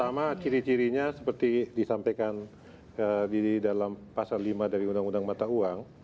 pertama ciri cirinya seperti disampaikan di dalam pasal lima dari undang undang mata uang